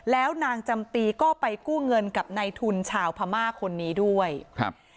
แล้วนางจำปีก็ไปกู้เงินกับในทุนชาวพม่าคนนี้ด้วยครับ